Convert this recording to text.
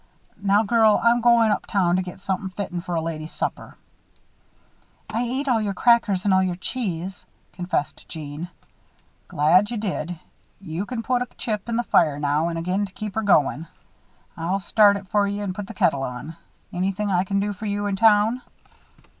Now, girl, I'm goin' up town to get somethin' fitten for a lady's supper " "I ate all your crackers and all your cheese," confessed Jeanne. "Glad you did. You can put a chip in the fire now and again to keep her going. I'll start it for you and put the kettle on. Anythin' I can do for you up town?"